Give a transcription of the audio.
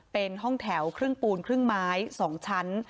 เป็นห้องแถวครึ่งปูนครึ่งไม้๒ชั้น